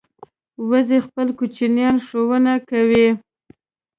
وزې خپل کوچنیان ښوونه کوي